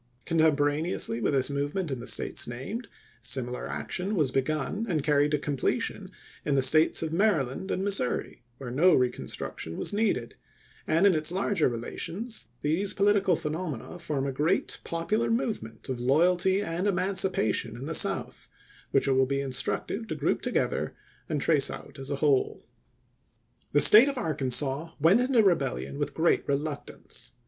Contemporaneously with this movement in the States named, similar action was begun and carried to completion in the States of Maryland and Missouri, where no reconstruction was needed ; and in its larger relations these po litical phenomena form a great popular movement of loyalty and emancipation in the South, which AKKANSAS FKEE 409 it will be instructive to group together and trace chap.xvi. out as a whole. The State of Arkansas went into rebellion with gi'eat reluctance.